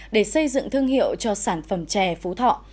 để xây dựng thương hiệu cho sản phẩm chè phú thọ